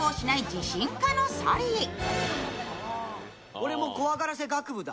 俺も怖がらせ学部だ。